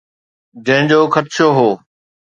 جنهن جو خدشو هو.